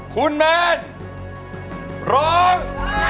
คุณแมนร้อง